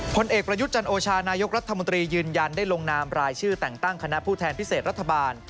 ผลเอกประยุทธ์จันโอชานายกรัฐมนตรียืนยันได้ลงนามรายชื่อแต่งตั้งคณะผู้แทนพิเศษรัฐบาล